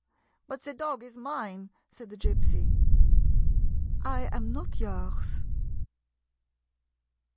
" But the dog is mine," said the Gypsy. " I am not yours."